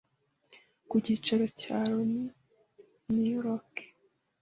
ku cyicaro cya Loni i New York